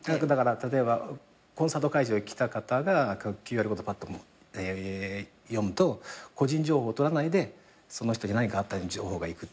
例えばコンサート会場来た方がＱＲコードパッと読むと個人情報取らないでその人に何かあったときに情報がいく。